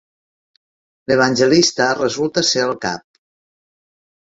L'evangelista resulta ser el cap.